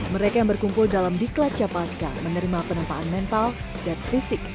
mereka yang berkumpul dalam diklat capaska menerima penempaan mental dan fisik